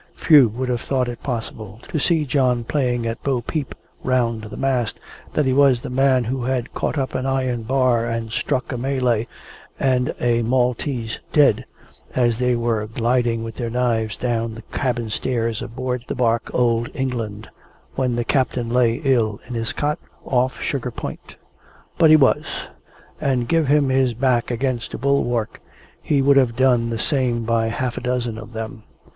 Few would have thought it possible, to see John playing at bo peep round the mast, that he was the man who had caught up an iron bar and struck a Malay and a Maltese dead, as they were gliding with their knives down the cabin stair aboard the barque Old England, when the captain lay ill in his cot, off Saugar Point. But he was; and give him his back against a bulwark, he would have done the same by half a dozen of them.